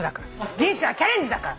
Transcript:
人生はチャレンジだから。